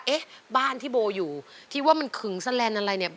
เอ๊ะบ้านที่โบอยู่ที่ว่ามันขึงแสลนด์อะไรเนี่ย